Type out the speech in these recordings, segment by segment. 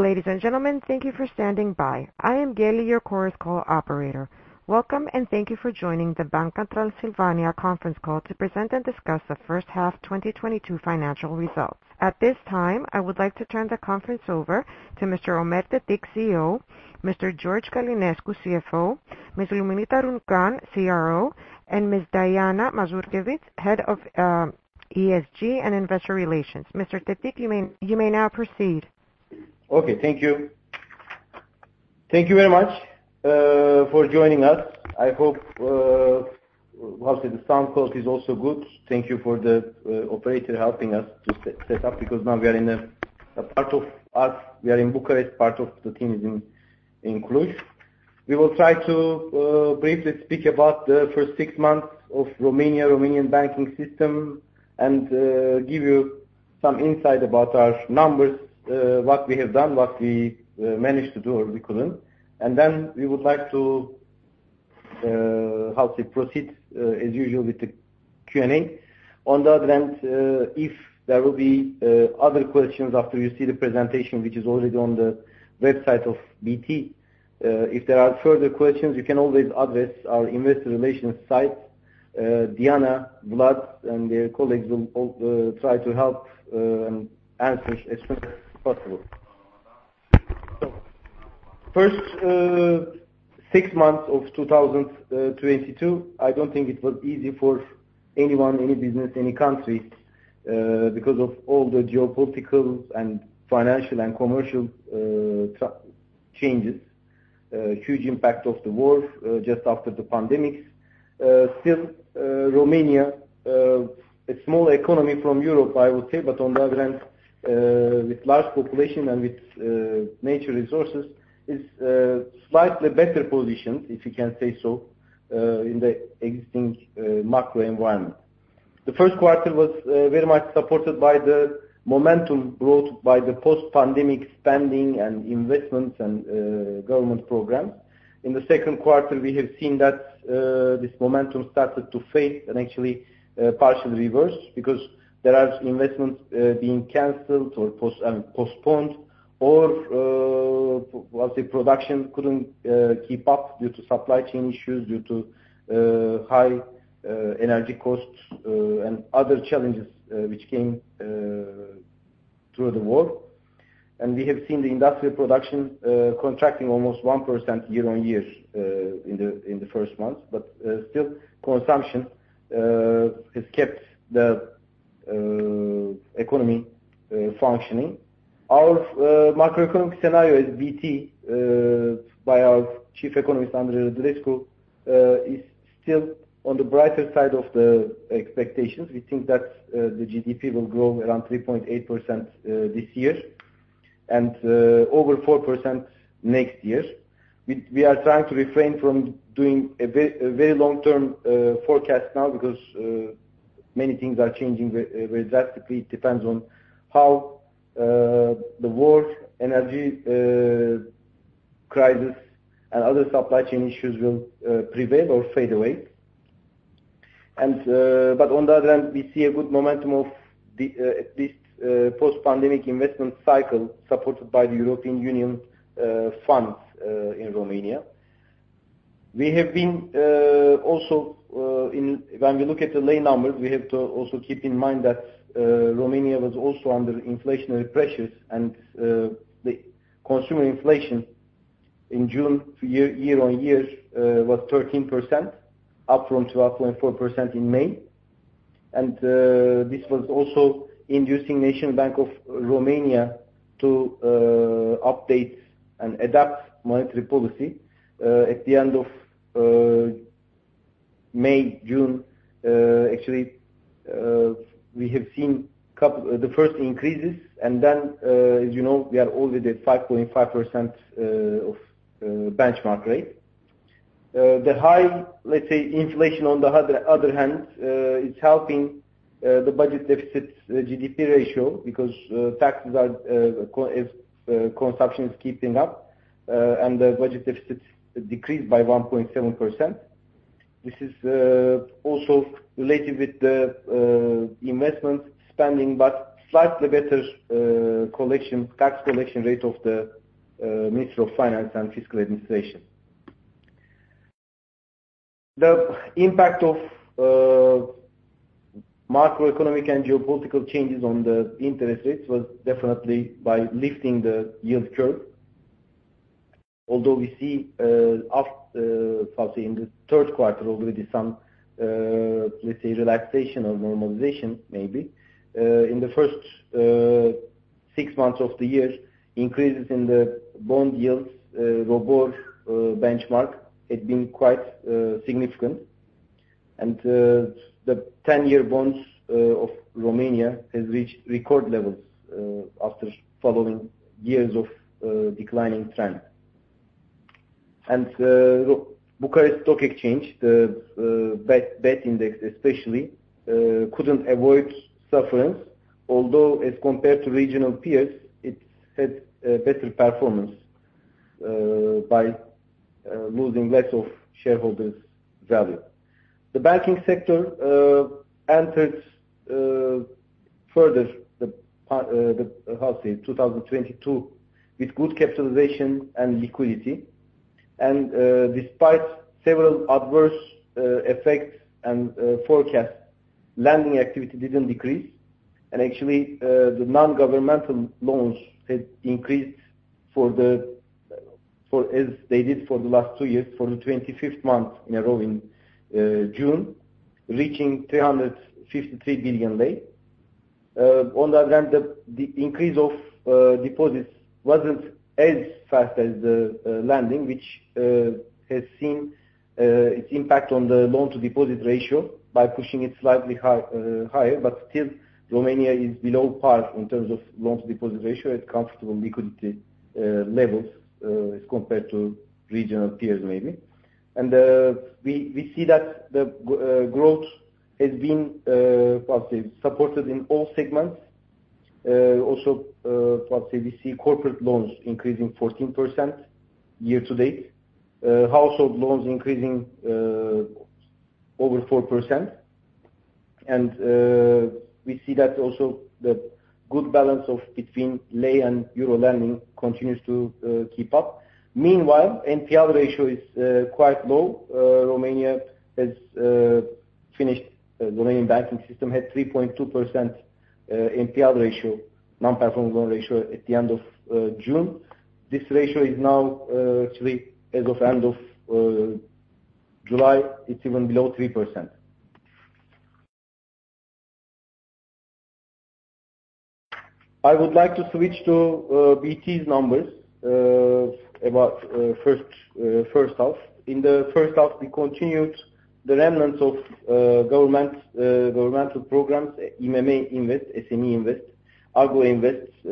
Ladies and gentlemen, thank you for standing by. I am Gayle, your Chorus Call operator. Welcome, and thank you for joining the Banca Transilvania conference call to present and discuss the first half 2022 financial results. At this time, I would like to turn the conference over to Mr. Ömer Tetik, CEO, Mr. George Călinescu, CFO, Ms. Luminița Runcan, CRO, and Ms. Diana Mazurchievici, Head of ESG and Investor Relations. Mr. Tetik, you may now proceed. Okay, thank you. Thank you very much for joining us. I hope obviously the sound quality is also good. Thank you for the operator helping us to set up because now we are in a part of us, we are in Bucharest, part of the team is in Cluj. We will try to briefly speak about the first six months of Romania, Romanian banking system and give you some insight about our numbers, what we have done, what we managed to do or we couldn't. Then we would like to how to say, proceed as usual with the Q&A. On the other hand, if there will be other questions after you see the presentation, which is already on the website of BT. If there are further questions, you can always address our investor relations site. Diana, Vlad, and their colleagues will try to help and answer as soon as possible. First six months of 2022, I don't think it was easy for anyone, any business, any country, because of all the geopolitical and financial and commercial changes. Huge impact of the war just after the pandemic. Still, Romania, a small economy from Europe, I would say, but on the other hand, with large population and with natural resources, is slightly better positioned, if you can say so, in the existing macro environment. The first quarter was very much supported by the momentum brought by the post-pandemic spending and investments and government programs. In the second quarter, we have seen that this momentum started to fade and actually partially reversed because there are investments being canceled or postponed or production couldn't keep up due to supply chain issues, due to high energy costs and other challenges which came through the war. We have seen the industrial production contracting almost 1% year-on-year in the first months. Still consumption has kept the economy functioning. Our macroeconomic scenario, by BT's chief economist Andrei Rădulescu, is still on the brighter side of the expectations. We think that the GDP will grow around 3.8% this year and over 4% next year. We are trying to refrain from doing a very long-term forecast now because many things are changing drastically. It depends on how the war, energy crisis and other supply chain issues will prevail or fade away. But on the other hand, we see a good momentum of this post-pandemic investment cycle supported by the European Union funds in Romania. When we look at the loan numbers, we have to also keep in mind that Romania was also under inflationary pressures. The consumer inflation in June year on year was 13%, up from 12.4% in May. This was also inducing National Bank of Romania to update and adapt monetary policy at the end of May, June. Actually, we have seen the first increases and then, as you know, we are already at 5.5% of benchmark rate. The high, let's say, inflation on the other hand is helping the budget deficit GDP ratio because taxes are collected if consumption is keeping up, and the budget deficits decreased by 1.7%. This is also related with the investment spending, but slightly better collection, tax collection rate of the Ministry of Public Finance. The impact of macroeconomic and geopolitical changes on the interest rates was definitely by lifting the yield curve. Although we see in the third quarter already some, let's say, relaxation or normalization maybe. In the first six months of the year, increases in the bond yields, ROBOR benchmark had been quite significant. The 10-year bonds of Romania has reached record levels after following years of declining trend. Bucharest Stock Exchange, the BET index especially couldn't avoid sufferings, although as compared to regional peers, it's had a better performance by losing less of shareholders value. The banking sector entered 2022 with good capitalization and liquidity. Despite several adverse effects and forecast, lending activity didn't decrease. Actually, the non-governmental loans had increased as they did for the last two years, for the 25th month in a row in June, reaching RON 353 billion. On the other hand, the increase of deposits wasn't as fast as the lending, which has seen its impact on the loan to deposit ratio by pushing it slightly higher. Still, Romania is below par in terms of loans to deposit ratio at comfortable liquidity levels as compared to regional peers, maybe. We see that the growth has been supported in all segments. Also, we see corporate loans increasing 14% year-to-date, household loans increasing over 4%. We see that also the good balance between lei and euro lending continues to keep up. Meanwhile, NPL ratio is quite low. Romanian banking system had 3.2% NPL ratio, non-performing loan ratio at the end of June. This ratio is now actually as of end of July, it's even below 3%. I would like to switch to BT's numbers about first half. In the first half, we continued the remnants of governmental programs, IMM Invest, SME Invest, Agro IMM Invest, Garant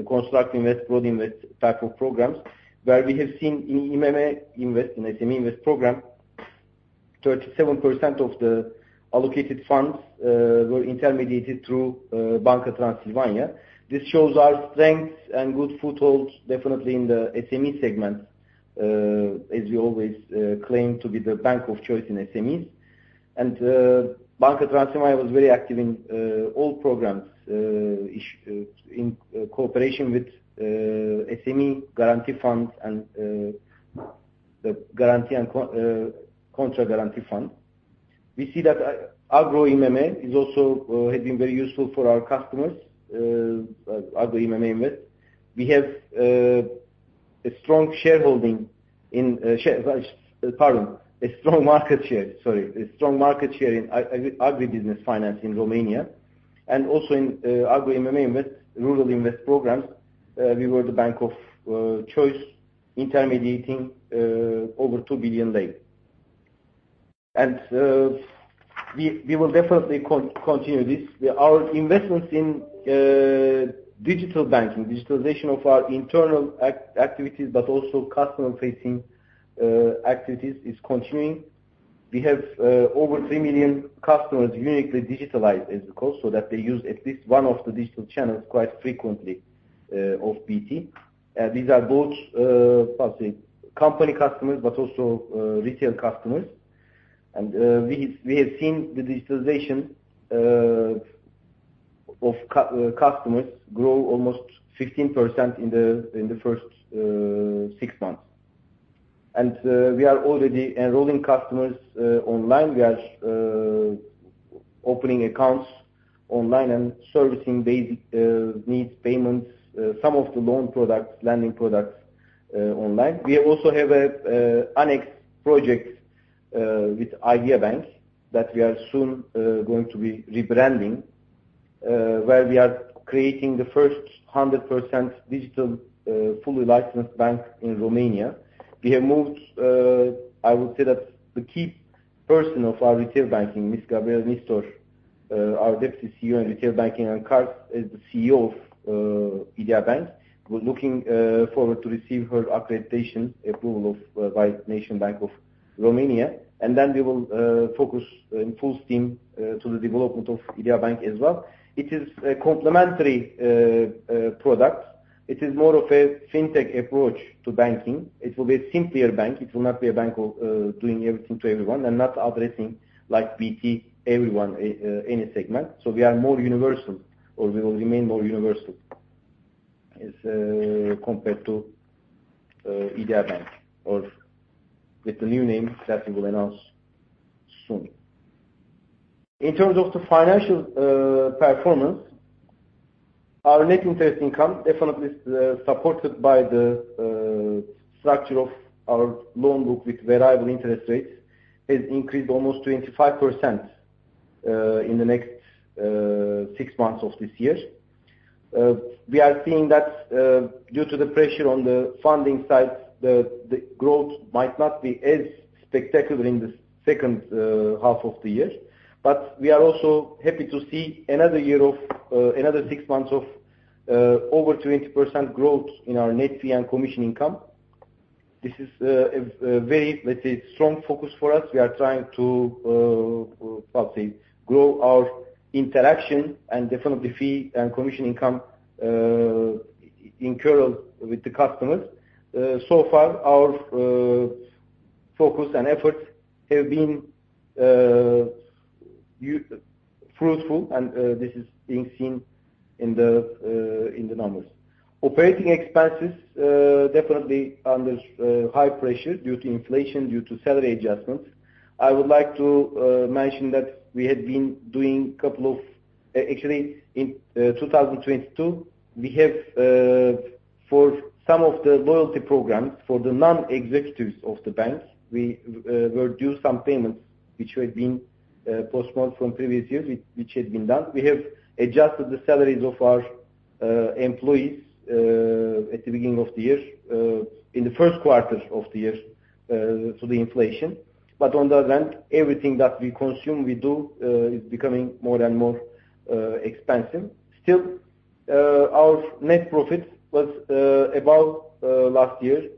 Construct, Rural Invest type of programs, where we have seen in IMM Invest, in SME Invest program, 37% of the allocated funds were intermediated through Banca Transilvania. This shows our strength and good foothold definitely in the SME segment, as we always claim to be the bank of choice in SMEs. Banca Transilvania was very active in all programs in cooperation with SME guarantee funds and the guarantee and contra guarantee fund. We see that Agro IMM is also had been very useful for our customers, Agro IMM Invest. We have a strong market share, sorry. A strong market share in agri business finance in Romania, and also in Agro IMM Invest, Rural Invest programs, we were the bank of choice intermediating over RON 2 billion. We will definitely continue this. Our investments in digital banking, digitalization of our internal activities, but also customer-facing activities is continuing. We have over 3 million customers uniquely digitalized, as we call, so that they use at least one of the digital channels quite frequently of BT. These are both how do I say, company customers, but also retail customers. We have seen the digitalization of customers grow almost 16% in the first 6 months. We are already enrolling customers online. We are opening accounts online and servicing basic needs, payments, some of the loan products, lending products online. We also have a Annex project with Idea Bank that we are soon going to be rebranding, where we are creating the first 100% digital, fully licensed bank in Romania. We have moved, I would say that the key person of our retail banking, Ms. Gabriela Nistor, our Deputy CEO in retail banking and cards, is the CEO of Idea Bank. We're looking forward to receive her accreditation approval by National Bank of Romania. Then we will focus in full steam to the development of Idea Bank as well. It is a complementary product. It is more of a fintech approach to banking. It will be a simpler bank. It will not be a bank of doing everything to everyone and not addressing like BT, everyone, any segment. We are more universal or we will remain more universal as compared to Idea Bank or with the new name that we will announce soon. In terms of the financial performance, our net interest income, definitely supported by the structure of our loan book with variable interest rates, has increased almost 25% in the first six months of this year. We are seeing that due to the pressure on the funding side, the growth might not be as spectacular in the second half of the year. We are also happy to see another six months of over 20% growth in our net fee and commission income. This is a very, let's say, strong focus for us. We are trying to, how do I say, grow our interaction and definitely fee and commission income earned with the customers. So far our focus and efforts have been fruitful and this is being seen in the numbers. Operating expenses definitely under high pressure due to inflation, due to salary adjustments. I would like to mention that actually in 2022, we have for some of the loyalty programs for the non-executives of the banks, we were due some payments which had been postponed from previous years which had been done. We have adjusted the salaries of our employees at the beginning of the year, in the first quarter of the year, to the inflation. On the other hand, everything that we consume, we do, is becoming more and more expensive. Still, our net profit was above last year,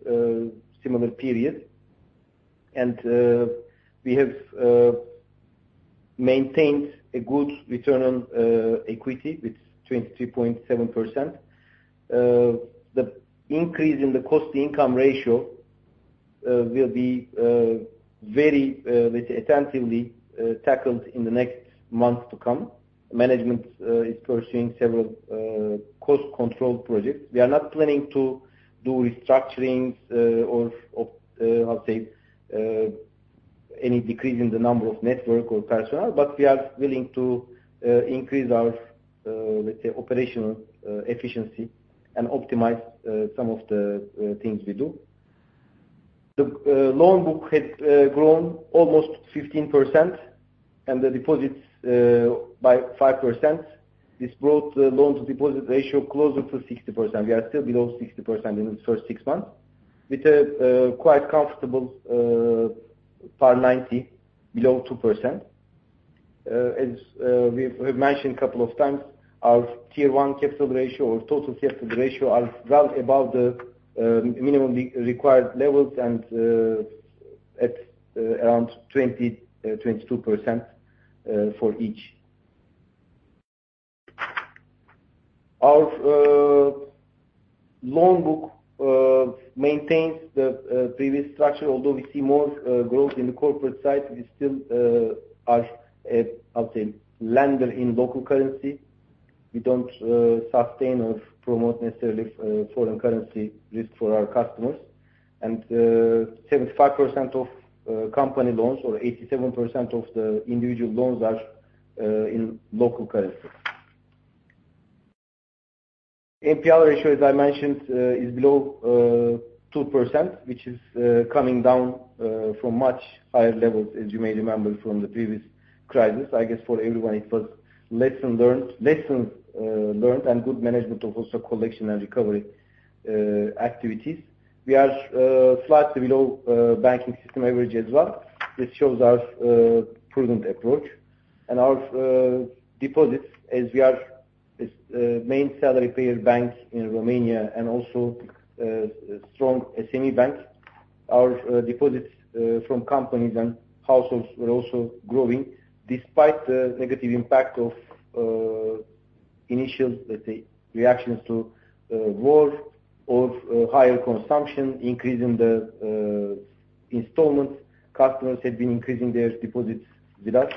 similar period. We have maintained a good return on equity with 23.7%. The increase in the cost income ratio will be very, let's say attentively, tackled in the next month to come. Management is pursuing several cost control projects. We are not planning to do restructurings or I'll say any decrease in the number of network or personnel, but we are willing to increase our, let's say operational efficiency and optimize some of the things we do. The loan book had grown almost 15% and the deposits by 5%. This brought the loan-to-deposit ratio closer to 60%. We are still below 60% in the first six months with a quite comfortable NPL ratio below 2%. As we've mentioned a couple of times, our Tier 1 capital ratio or total capital ratio are well above the minimum required levels and at around 22% for each. Our loan book maintains the previous structure, although we see more growth in the corporate side. We still are lending in local currency. We don't sustain or promote necessarily foreign currency risk for our customers. Seventy-five percent of company loans or eighty-seven percent of the individual loans are in local currency. NPL ratio, as I mentioned, is below 2%, which is coming down from much higher levels, as you may remember from the previous crisis. I guess for everyone it was lesson learned and good management of also collection and recovery activities. We are slightly below banking system average as well. This shows our prudent approach and our deposits as we are as main salary payer banks in Romania and also strong SME banks. Our deposits from companies and households were also growing despite the negative impact of initial, let's say, reactions to war or higher consumption, increase in the installments. Customers have been increasing their deposits with us.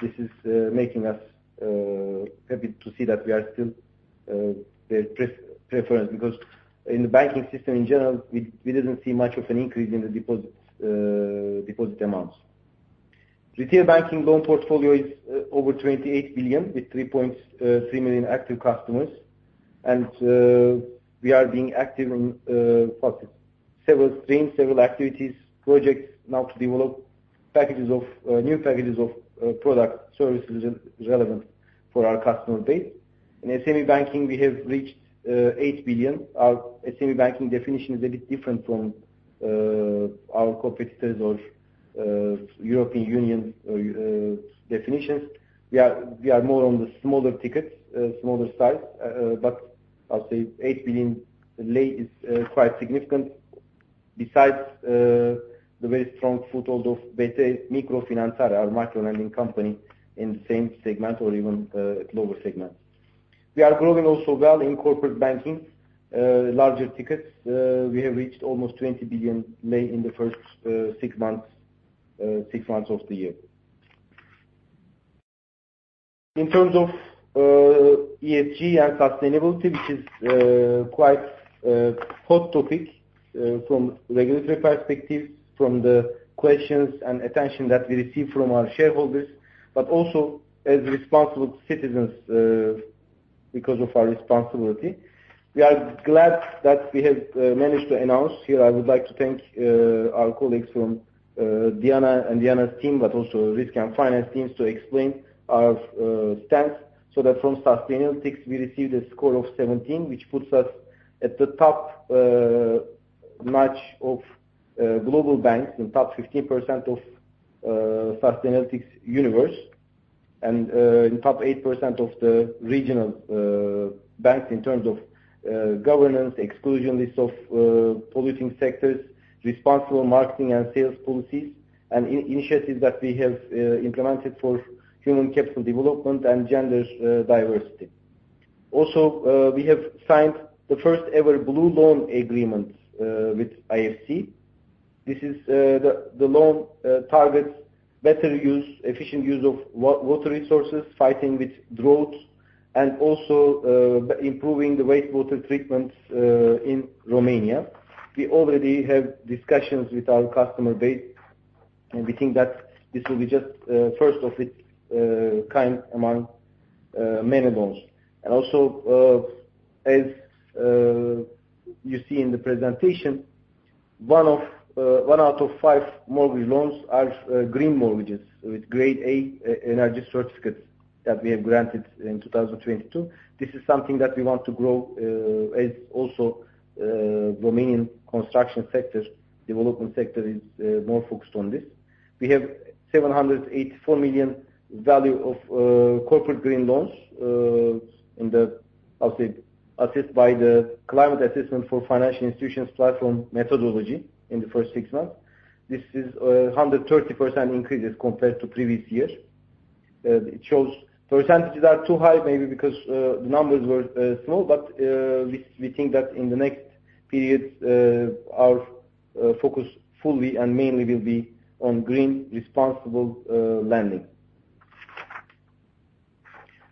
This is making us happy to see that we are still their preference because in the banking system in general, we didn't see much of an increase in the deposits, deposit amounts. Retail banking loan portfolio is over RON 28 billion with 3.3 million active customers. We are being active on, let's say several streams, several activities, projects now to develop packages of new packages of product services relevant for our customer base. In SME banking, we have reached RON 8 billion. Our SME banking definition is a bit different from our competitors or European Union definitions. We are more on the smaller tickets, smaller size, but I'll say RON 8 billion is quite significant. Besides, the very strong foothold of, let's say, BT Mic, our micro-lending company in the same segment or even global segment. We are growing also well in corporate banking, larger tickets. We have reached almost RON 20 billion in the first six months of the year. In terms of ESG and sustainability, which is quite hot topic from regulatory perspective, from the questions and attention that we receive from our shareholders, but also as responsible citizens because of our responsibility. We are glad that we have managed to announce. Here I would like to thank our colleagues from Diana and Diana's team, but also risk and finance teams to explain our stance so that from Sustainalytics we received a score of seventeen which puts us at the top-notch of global banks in top 15% of Sustainalytics universe. In top 8% of the regional banks in terms of governance, exclusion list of polluting sectors, responsible marketing and sales policies, and initiatives that we have implemented for human capital development and gender diversity. We have signed the first ever blue loan agreement with IFC. This is the loan targets better use, efficient use of water resources, fighting with droughts, and also improving the wastewater treatments in Romania. We already have discussions with our customer base, and we think that this will be just first of its kind among many loans. Also, as you see in the presentation, one out of five mortgage loans are green mortgages with Grade A energy certificates that we have granted in 2022. This is something that we want to grow, as the Romanian construction sector, development sector is more focused on this. We have RON 784 million value of corporate green loans assessed by the Climate Assessment for Financial Institutions Platform methodology in the first six months. This is a 130% increase as compared to previous years. It shows percentages are too high, maybe because the numbers were small. We think that in the next periods, our focus fully and mainly will be on green responsible lending.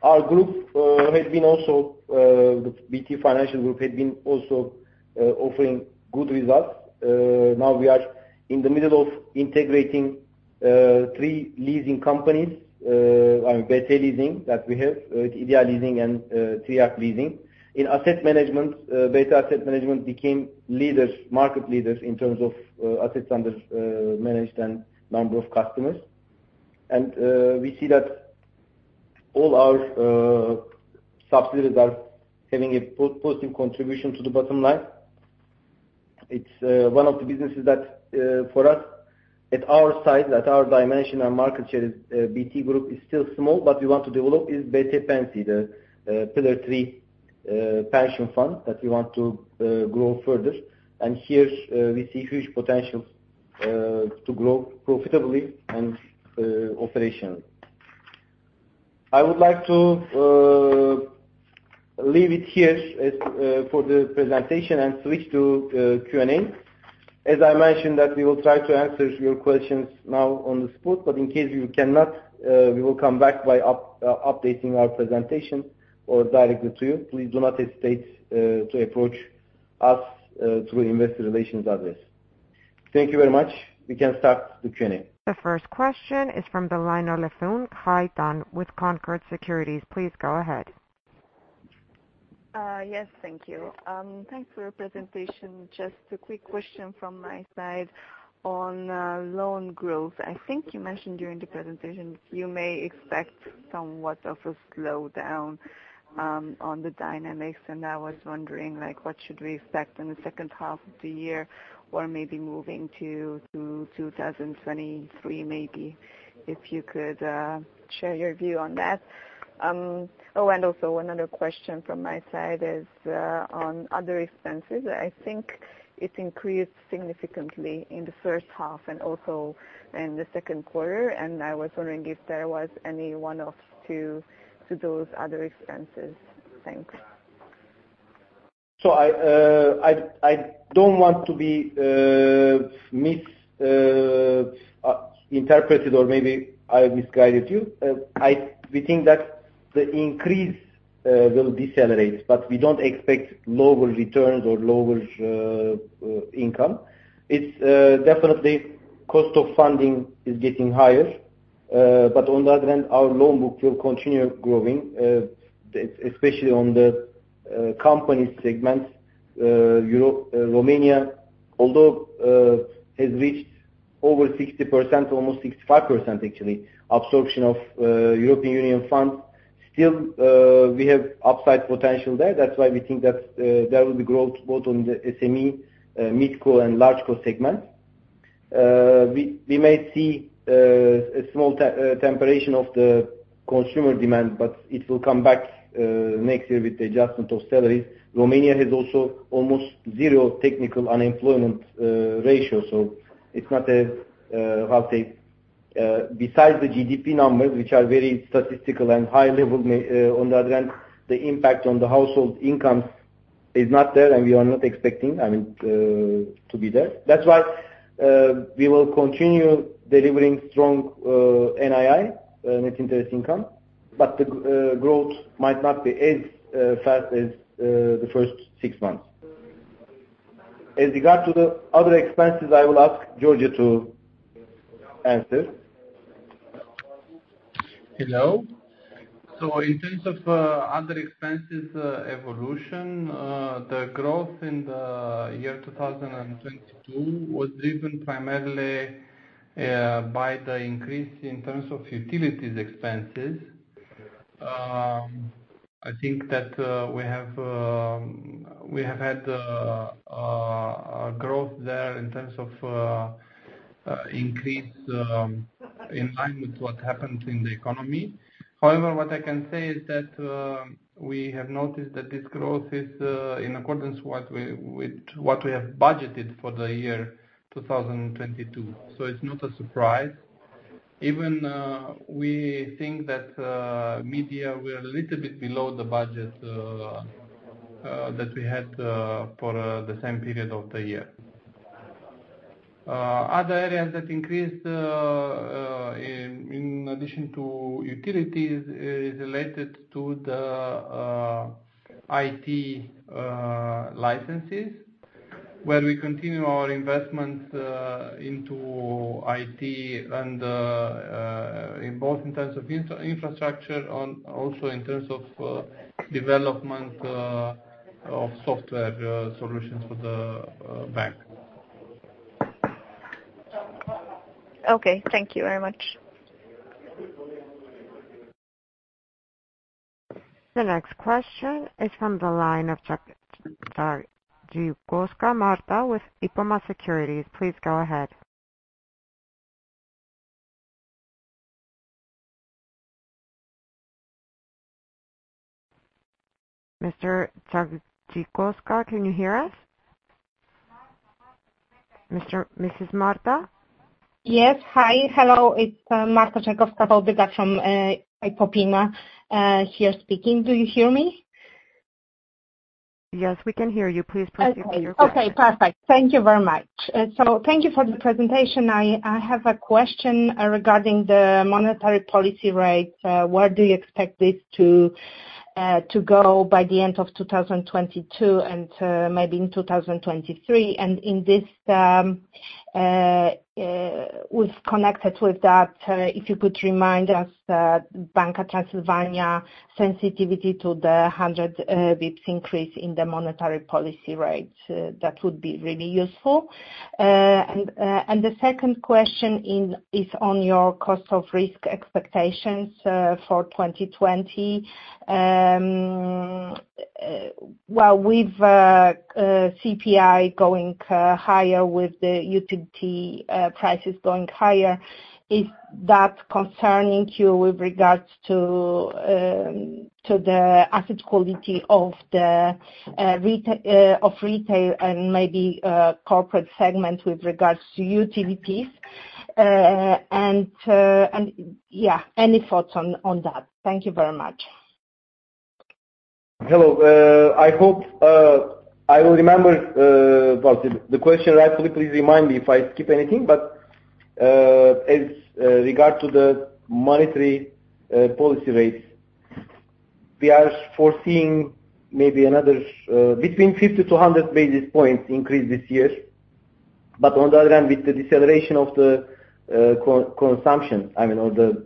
Our group, the BT Financial Group, has also been offering good results. Now we are in the middle of integrating three leasing companies, I mean, BT Leasing that we have, Idea Leasing and Țiriac Leasing. In asset management, BT Asset Management became leaders, market leaders in terms of assets under management and number of customers. We see that all our subsidiaries are having a positive contribution to the bottom line. It's one of the businesses that for us, at our size, at our dimension and market share, BT Group is still small, but we want to develop is BT Pensii, the Pillar 3 pension fund that we want to grow further. Here, we see huge potential to grow profitably and operationally. I would like to leave it here as for the presentation and switch to Q&A. As I mentioned that we will try to answer your questions now on the spot, but in case we cannot, we will come back by updating our presentation or directly to you. Please do not hesitate to approach us through Investor Relations address. Thank you very much. We can start the Q&A. The first question is from the line of Hai Thanh Le Phuong with Concorde Securities. Please go ahead. Yes, thank you. Thanks for your presentation. Just a quick question from my side on loan growth. I think you mentioned during the presentation you may expect somewhat of a slowdown on the dynamics, and I was wondering, like, what should we expect in the second half of the year or maybe moving to 2023, maybe if you could share your view on that. Also another question from my side is on other expenses. I think it increased significantly in the first half and also in the Q2, and I was wondering if there was any one-offs to those other expenses. Thanks. I don't want to be misinterpreted or maybe I misguided you. We think that the increase will decelerate, but we don't expect lower returns or lower income. It's definitely cost of funding is getting higher. But on the other hand, our loan book will continue growing, especially on the company segment. Romania, although has reached over 60%, almost 65% actually, absorption of European Union funds. Still, we have upside potential there. That's why we think that there will be growth both on the SME mid-corporate and large corporate segment. We may see a small tempering of the consumer demand, but it will come back next year with the adjustment of salaries. Romania has also almost zero technical unemployment ratio. It's not a, how say, besides the GDP numbers, which are very statistical and high level, on the other hand, the impact on the household incomes is not there, and we are not expecting, I mean, to be there. That's why, we will continue delivering strong, NII, net interest income, but the growth might not be as fast as the first six months. As regards to the other expenses, I will ask George Călinescu to answer. Hello. In terms of other expenses evolution, the growth in the year 2022 was driven primarily by the increase in terms of utilities expenses. I think that we have had a growth there in terms of increase in line with what happened in the economy. However, what I can say is that we have noticed that this growth is in accordance with what we have budgeted for the year 2022. It's not a surprise. We think that media were a little bit below the budget that we had for the same period of the year. Other areas that increased, in addition to utilities, is related to the IT licenses, where we continue our investment into IT and in both in terms of infrastructure and also in terms of development of software solutions for the bank. Okay, thank you very much. The next question is from the line of Marta Czajkowska-Bałdyga with Ipopema Securities. Please go ahead. Ms. Czajkowska-Bałdyga, can you hear us? Mrs. Marta? Yes. Hi. Hello. It's Marta Czajkowska-Bałdyga from Ipopema here speaking. Do you hear me? Yes, we can hear you. Please proceed with your question. Okay. Perfect. Thank you very much. Thank you for the presentation. I have a question regarding the monetary policy rate. Where do you expect this to go by the end of 2022 and maybe in 2023? Connected with that, if you could remind us, Banca Transilvania sensitivity to the 100 bps increase in the monetary policy rate. That would be really useful. The second question is on your cost of risk expectations for 2020. Well, with CPI going higher with the utility prices going higher, is that concerning you with regards to the asset quality of the retail and maybe corporate segment with regards to utilities? Yeah, any thoughts on that? Thank you very much. Hello. I hope I will remember well the question rightly. Please remind me if I skip anything. As regards to the monetary policy rates, we are foreseeing maybe another between 50-100 basis points increase this year. On the other hand, with the deceleration of the consumption, I mean, or the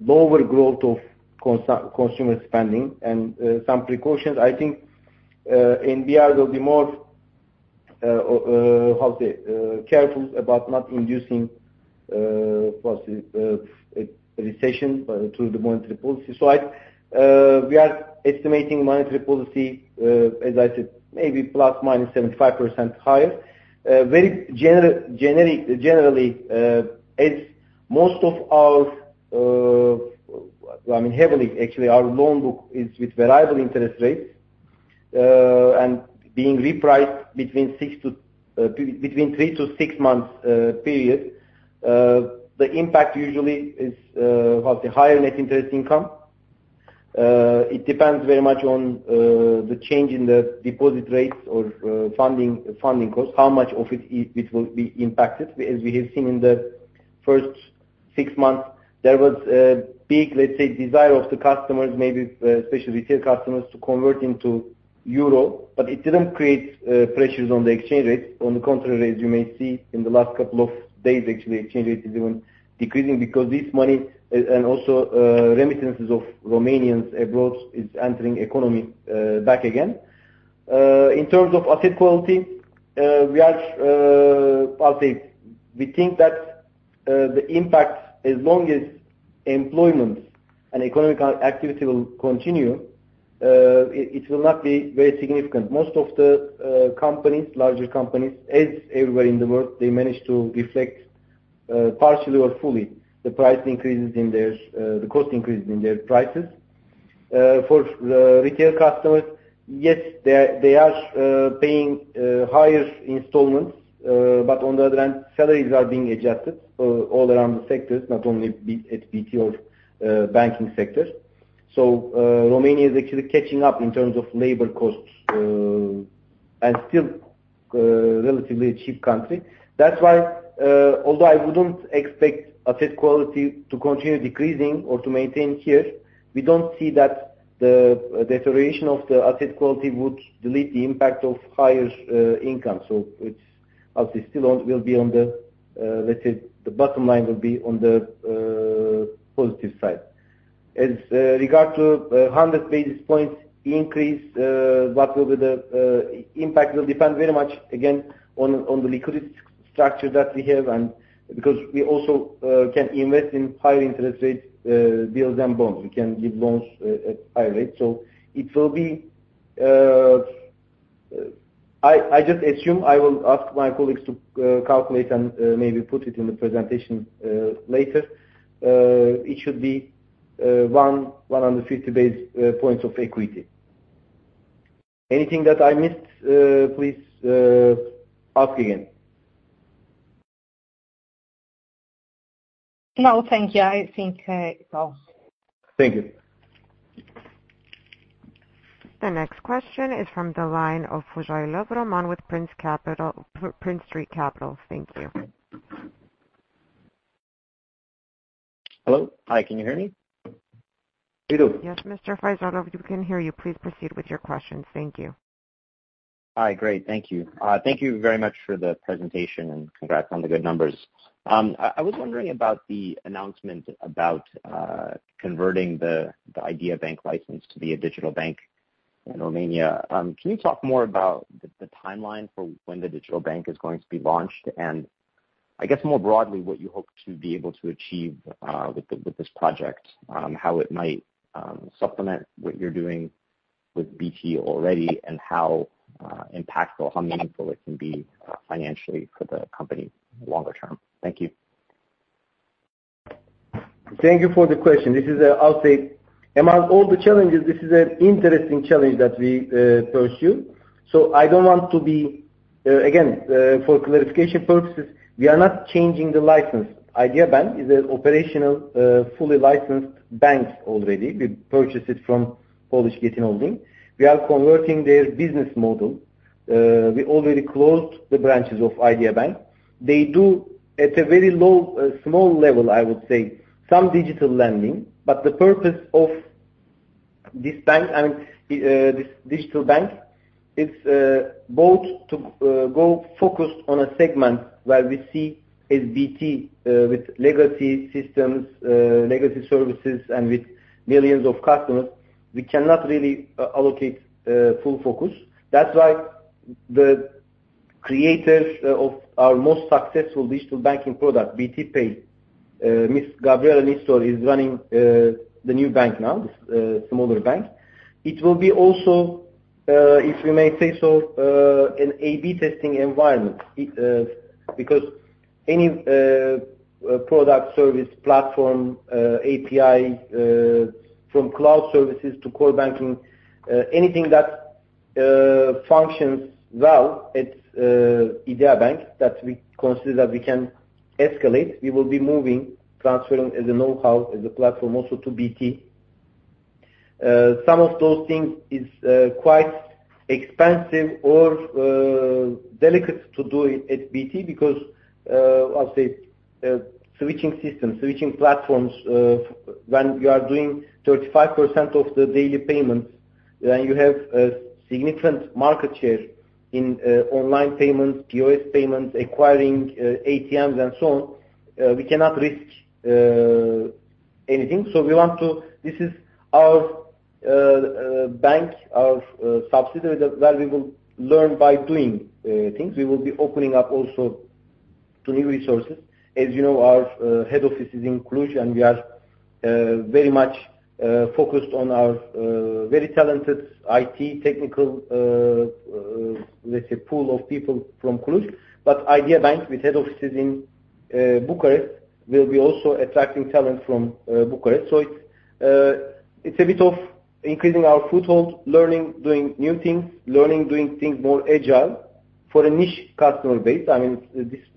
lower growth of consumer spending and some precautions, I think NBR will be more careful about not inducing well recession through the monetary policy. We are estimating monetary policy as I said, maybe ±75% higher. Very generally, as most of our I mean, heavily actually our loan book is with variable interest rates. Being repriced between 3-6 months period. The impact usually is, well, the higher net interest income. It depends very much on the change in the deposit rates or funding costs, how much of it will be impacted. As we have seen in the first 6 months, there was a big, let's say, desire of the customers, maybe, especially retail customers, to convert into euro, but it didn't create pressures on the exchange rates. On the contrary, as you may see in the last couple of days, actually, exchange rate is even decreasing because this money and also remittances of Romanians abroad is entering economy back again. In terms of asset quality, I'll say we think that the impact, as long as employment and economic activity will continue, it will not be very significant. Most of the companies, larger companies, as everywhere in the world, they manage to reflect partially or fully the cost increases in their prices. For the retail customers, yes, they are paying higher installments. On the other hand, salaries are being adjusted all around the sectors, not only at BT or banking sector. Romania is actually catching up in terms of labor costs and still relatively a cheap country. That's why, although I wouldn't expect asset quality to continue decreasing or to maintain here, we don't see that the deterioration of the asset quality would dilute the impact of higher income. It's obviously still on the positive side. Let's say the bottom line will be on the positive side. As regards to a 100 basis points increase, what will be the impact will depend very much again on the liquidity structure that we have and because we also can invest in higher interest rates, bills and bonds, we can give loans at higher rates. It will be. I just assume I will ask my colleagues to calculate and maybe put it in the presentation later. It should be one hundred and fifty basis points of equity. Anything that I missed, please, ask again. No, thank you. I think, it's all. Thank you. The next question is from the line of Roman Foyalov with Prince Street Capital. Thank you. Hello. Hi, can you hear me? We do. Yes, Mr. Fojailov, we can hear you. Please proceed with your questions. Thank you. Hi. Great. Thank you. Thank you very much for the presentation, and congrats on the good numbers. I was wondering about the announcement about converting the Idea Bank license to be a digital bank in Romania. Can you talk more about the timeline for when the digital bank is going to be launched? I guess more broadly, what you hope to be able to achieve with this project, how it might supplement what you're doing with BT already and how impactful, how meaningful it can be financially for the company longer term. Thank you. Thank you for the question. This is, I'll say among all the challenges, this is an interesting challenge that we pursue. I don't want to be again, for clarification purposes, we are not changing the license. Idea Bank is an operational, fully licensed bank already. We purchased it from Polish Getin Holding. We are converting their business model. We already closed the branches of Idea Bank. They do at a very low, small level, I would say, some digital lending, but the purpose of this bank and, this digital bank is, both to go focused on a segment where we see as BT, with legacy systems, legacy services, and with millions of customers, we cannot really allocate full focus. That's why the creators of our most successful digital banking product, BT Pay, Ms. Gabriela Nistor is running the new bank now, this smaller bank. It will be also, if we may say so, an A/B testing environment because any product service platform, API, from cloud services to core banking, anything that functions well at Idea Bank that we consider that we can escalate, we will be moving, transferring as a know-how, as a platform also to BT. Some of those things is quite expensive or delicate to do at BT because, I'll say, switching systems, switching platforms, when we are doing 35% of the daily payments, when you have a significant market share in online payments, POS payments, acquiring, ATMs and so on, we cannot risk anything. We want to. This is our bank, our subsidiary that, where we will learn by doing things. We will be opening up also to new resources. As you know, our head office is in Cluj, and we are very much focused on our very talented IT technical, let's say, pool of people from Cluj. Idea Bank with head offices in Bucharest will be also attracting talent from Bucharest. It's a bit of increasing our foothold, learning, doing new things, learning, doing things more agile for a niche customer base. I mean,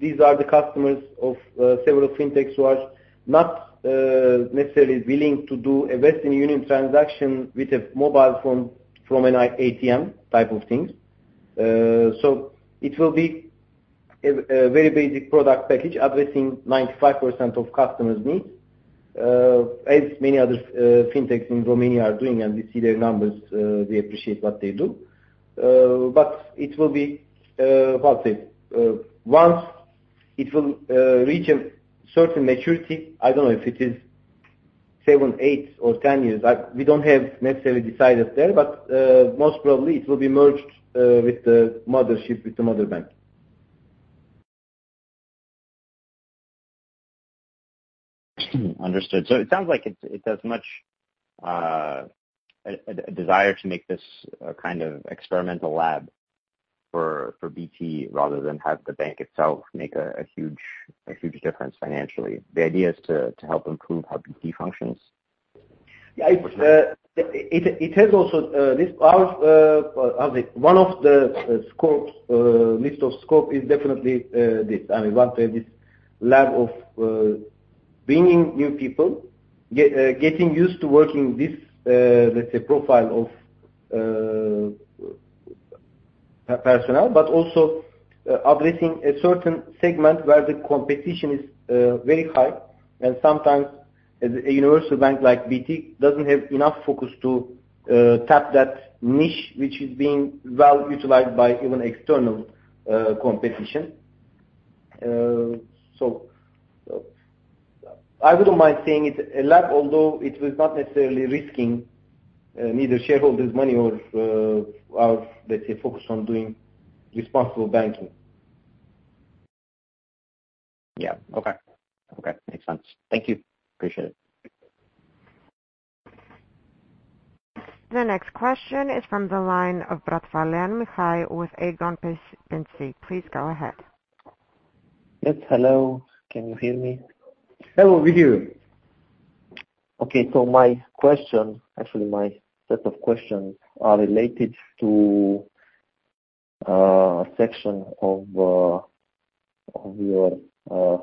these are the customers of several Fintechs who are not necessarily willing to do a Western Union transaction with a mobile phone from an ATM type of things. It will be a very basic product package addressing 95% of customers' needs, as many other fintechs in Romania are doing, and we see their numbers. We appreciate what they do. It will be, I'll say, once it will reach a certain maturity. I don't know if it is seven, eight or 10 years. We don't have necessarily decided there, but most probably it will be merged with the mothership, with the mother bank. Understood. It sounds like it's as much a desire to make this a kind of experimental lab for BT rather than have the bank itself make a huge difference financially. The idea is to help improve how BT functions? It has also this. Our, I'll say, one of the scopes. List of scopes is definitely this. I mean, one thing, this lab of bringing new people, getting used to working this, let's say, profile of personnel, but also addressing a certain segment where the competition is very high and sometimes as a universal bank like BT doesn't have enough focus to tap that niche which is being well utilized by even external competition. I wouldn't mind saying it's a lab, although it was not necessarily risking neither shareholders' money or our, let's say, focus on doing responsible banking. Yeah. Okay. Makes sense. Thank you. Appreciate it. The next question is from the line of Mihai Bratvălean with Aegon Pensii. Please go ahead. Yes. Hello. Can you hear me? Hello. We hear you. Okay. My question, actually my set of questions are related to a section of your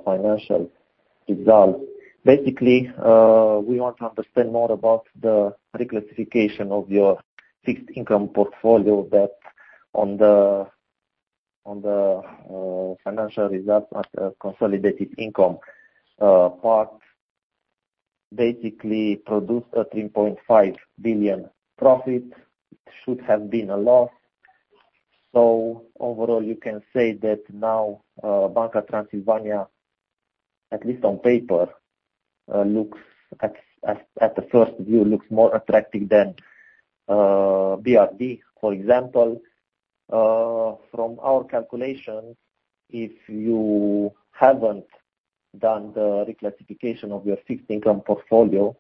financial results. Basically, we want to understand more about the reclassification of your fixed income portfolio debt on the financial results at consolidated income part. Basically produced a RON 3.5 billion profit should have been a loss. Overall you can say that now, Banca Transilvania, at least on paper, looks at the first view, looks more attractive than BRD. For example, from our calculations, if you haven't done the reclassification of your fixed income portfolio,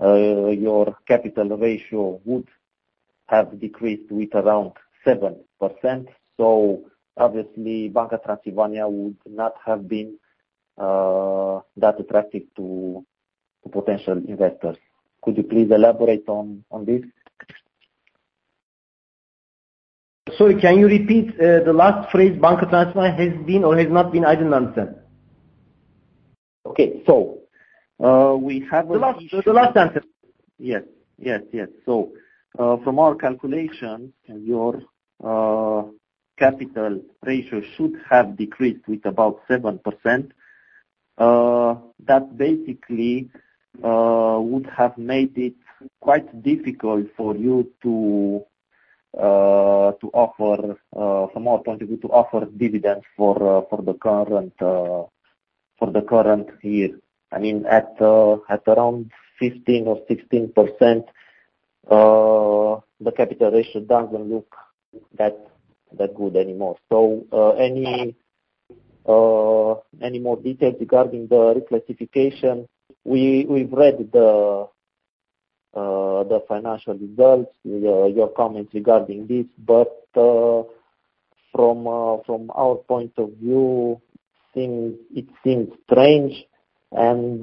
your capital ratio would have decreased to around 7%. Obviously Banca Transilvania would not have been that attractive to potential investors. Could you please elaborate on this? Sorry, can you repeat the last phrase Banca Transilvania has been or has not been? I didn't understand. Okay. We have The last sentence. From our calculations, your capital ratio should have decreased with about 7%. That basically would have made it quite difficult for you to offer, from our point of view, to offer dividends for the current year. I mean, at around 15 or 16%, the capital ratio doesn't look that good anymore. Any more details regarding the reclassification? We've read the financial results, your comments regarding this, but from our point of view things, it seems strange and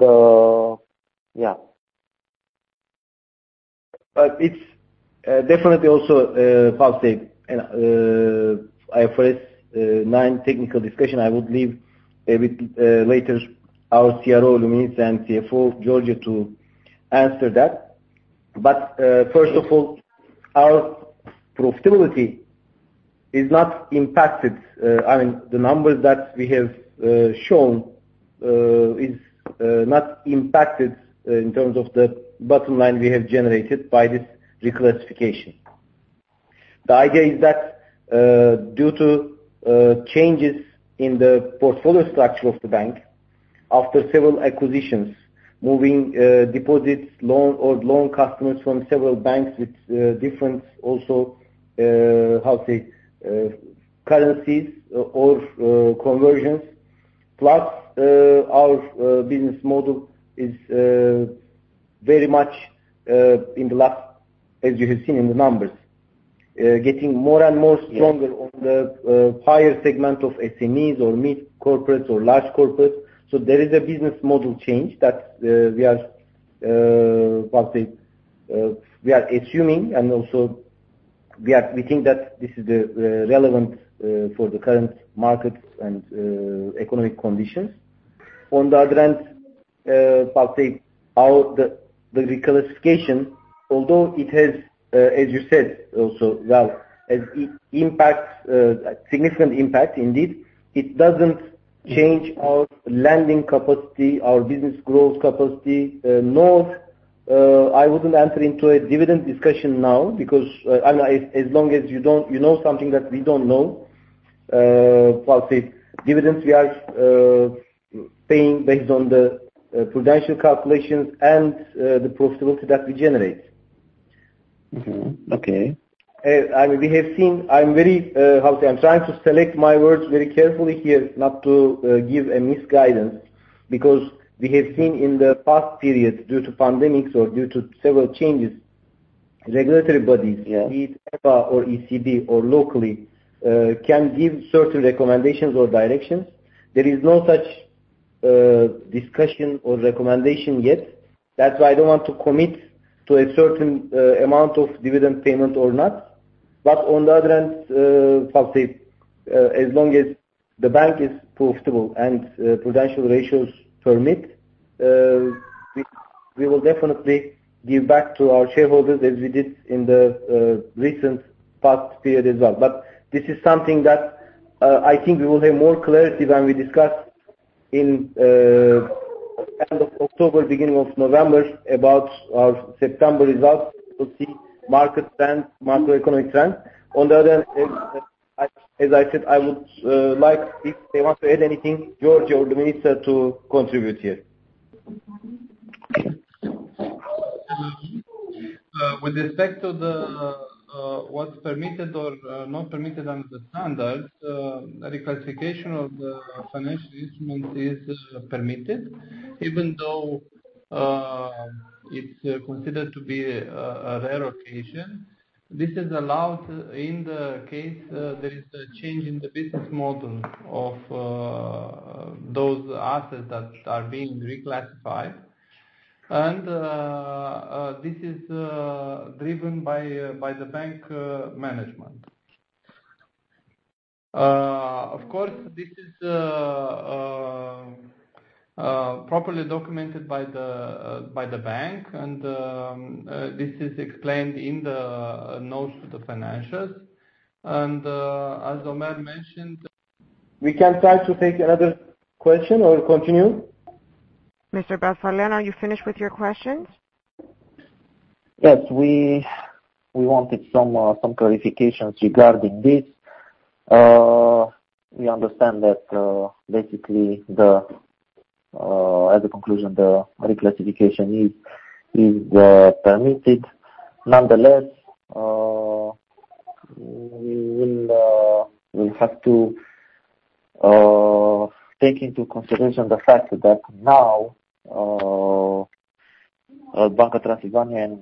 yeah. It's definitely also, and the first non-technical discussion I would leave a bit later to our CRO, Luminița and CFO, George Călinescu to answer that. First of all, our profitability is not impacted. I mean, the numbers that we have shown is not impacted in terms of the bottom line we have generated by this reclassification. The idea is that due to changes in the portfolio structure of the bank after several acquisitions, moving deposit and loan customers from several banks with different, also, how to say, currencies or conversions. Plus, our business model is very much in the last, as you have seen in the numbers, getting more and more stronger. Yes. On the higher segment of SMEs or mid corporates or large corporates. There is a business model change that we are assuming, and also we think that this is the relevant for the current market and economic conditions. On the other hand, the reclassification although it has, as you said also, a significant impact indeed, it doesn't change our lending capacity, our business growth capacity. Nor, I wouldn't enter into a dividend discussion now because I know as long as you don't, you know something that we don't know, dividends we are paying based on the prudential calculations and the profitability that we generate. Mm-hmm. Okay. I mean, we have seen. I'm trying to select my words very carefully here not to give a misguidance, because we have seen in the past periods due to pandemics or due to several changes, regulatory bodies. Yeah. Be it EBA or ECB or locally can give certain recommendations or directions. There is no such discussion or recommendation yet. That's why I don't want to commit to a certain amount of dividend payment or not. On the other hand, how to say, as long as the bank is profitable and prudential ratios permit, we will definitely give back to our shareholders as we did in the recent past period as well. This is something that I think we will have more clarity when we discuss in end of October, beginning of November about our September results. We'll see market trend, macroeconomic trend. On the other hand, as I said, I would like if they want to add anything, George or Luminița to contribute here. With respect to what's permitted or not permitted under the standards, reclassification of the financial instrument is permitted. Even though it's considered to be a rare occasion. This is allowed in the case there is a change in the business model of those assets that are being reclassified. This is driven by the bank management. Of course, this is properly documented by the bank and this is explained in the notes to the financials. As Ömer mentioned. We can try to take another question or continue. Mr. Bratvaleán, are you finished with your questions? Yes. We wanted some clarifications regarding this. We understand that basically as a conclusion the reclassification is permitted. Nonetheless, we'll have to take into consideration the fact that now Banca Transilvania and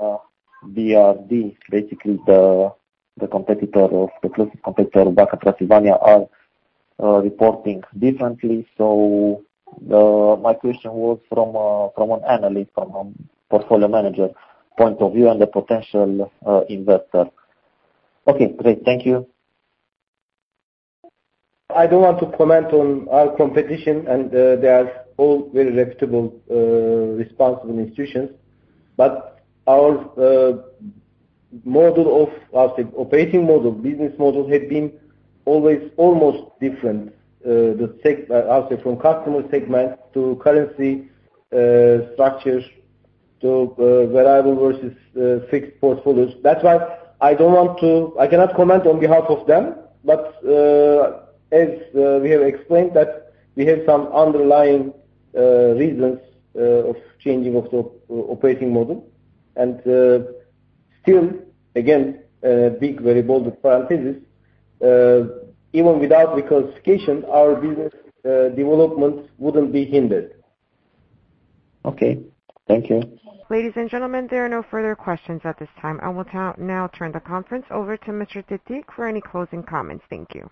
BRD basically the competitor of the closest competitor of Banca Transilvania are reporting differently. My question was from an analyst from a portfolio manager point of view and the potential investor. Okay, great. Thank you. I don't want to comment on our competition, and they are all very reputable, responsible institutions. Our model of, how to say, operating model, business model had been always almost different. From customer segment to currency structures, to variable versus fixed portfolios. That's why I don't want to. I cannot comment on behalf of them, but as we have explained that we have some underlying reasons of changing of the operating model. Still, again, a big variable, the parenthesis, even without reclassification, our business development wouldn't be hindered. Okay. Thank you. Ladies and gentlemen, there are no further questions at this time. I will now turn the conference over to Mr. Tetik for any closing comments. Thank you.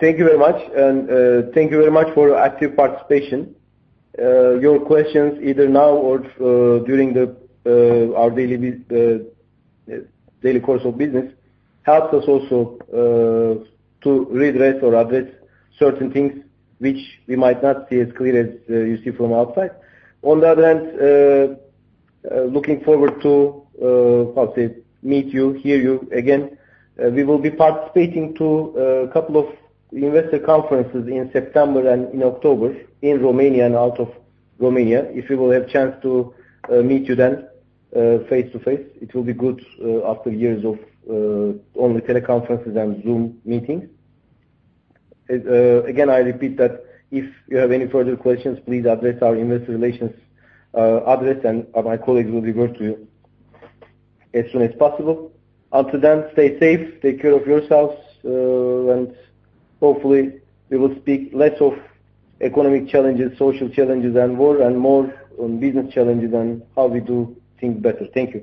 Thank you very much. Thank you very much for your active participation. Your questions either now or during the our daily course of business helps us also to redress or address certain things which we might not see as clear as you see from outside. On the other hand, looking forward to how to say, meet you, hear you again. We will be participating to a couple of investor conferences in September and in October, in Romania and out of Romania. If we will have chance to meet you then face-to-face, it will be good after years of only teleconferences and Zoom meetings. Again, I repeat that if you have any further questions, please address our investor relations address, and my colleagues will revert to you as soon as possible. Until then, stay safe, take care of yourselves, and hopefully we will speak less of economic challenges, social challenges and war, and more on business challenges and how we do things better. Thank you.